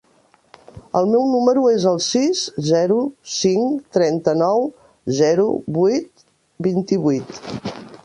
El meu número es el sis, zero, cinc, trenta-nou, zero, vuit, vint-i-vuit.